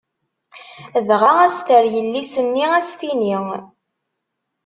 Dɣa ad as-terr yelli-s-nni, ad as-tini.